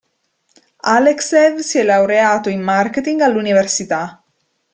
Alekseev si è laureato in marketing all'università.